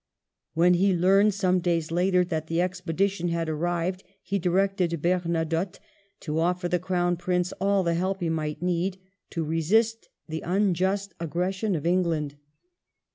*' When he learned, some days later, that the expedition had arrived he directed Bemadotte to offer the Crown Prince all the help he might need " to resist the unjust aggression of England."